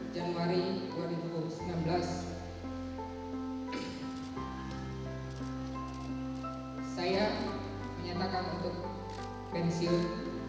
dan hari ini hari minggu tanggal dua puluh tujuh januari dua ribu sembilan belas saya menyatakan untuk pensiun